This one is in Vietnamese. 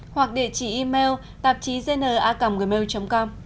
hoặc địa chỉ email tạp chí gnacomgmail com